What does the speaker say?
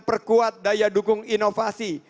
perkuat daya dukung inovasi